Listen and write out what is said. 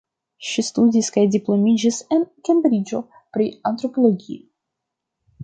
Ŝi studis kaj diplomiĝis en Kembriĝo pri antropologio.